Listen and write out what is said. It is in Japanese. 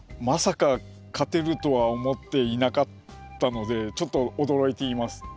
まさか勝てるとは思っていなかったのでちょっと驚いています。